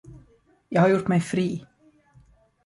Jag har gjort mig fri.